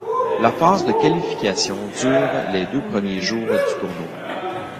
La phase de qualification dure les deux premiers jours du tournoi.